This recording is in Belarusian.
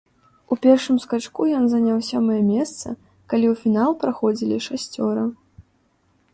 У першым скачку ён заняў сёмае месца, калі ў фінал праходзілі шасцёра.